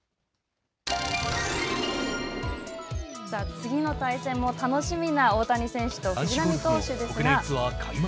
次の対戦も楽しみな大谷選手と藤浪投手ですが。